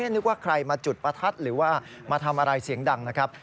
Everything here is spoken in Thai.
นึกว่าใครมาจุดประทัดหรือว่ามาทำอะไรเสียงดังนะครับ